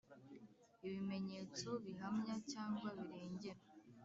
ibimenyetso bihamya cyangwa birengera